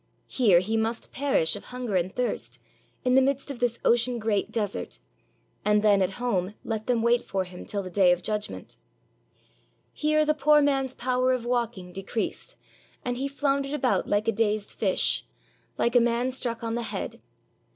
Here he must perish of hunger and thirst in the midst of this ocean great desert, and then at home let them wait for him till the Day of Judgment. Here the poor man's power of walking de creased, and he floundered about like a dazed fish, like 386 THE KING OF THE CROWS a man struck on the head.